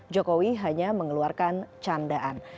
jokowi hanya mengeluarkan candaan